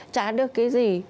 trả được cái gì